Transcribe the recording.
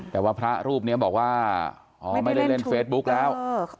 แต่ว่าพระรูปนี้บอกว่าอ๋อไม่ได้เล่นเฟซบุ๊กแล้ว